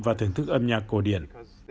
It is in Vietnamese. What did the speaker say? và thưởng thức âm nhạc cổ điển